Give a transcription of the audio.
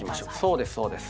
そうですそうです。